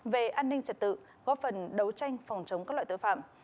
về an ninh trật tự góp phần đấu tranh phòng chống các loại tội phạm